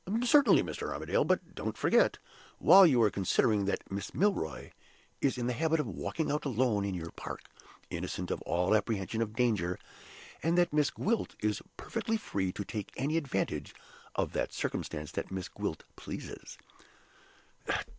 "Certainly, Mr. Armadale. But don't forget, while you are considering, that Miss Milroy is in the habit of walking out alone in your park, innocent of all apprehension of danger, and that Miss Gwilt is perfectly free to take any advantage of that circumstance that Miss Gwilt pleases."